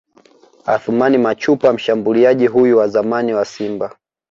Athumani Machupa Mshambuliaji huyu wa zamani wa Simba